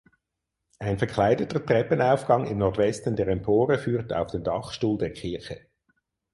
Ein verkleideter Treppenaufgang im Nordwesten der Empore führt auf den Dachstuhl der Kirche.